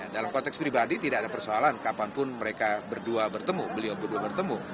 dalam konteks pribadi tidak ada persoalan kapanpun mereka berdua bertemu beliau berdua bertemu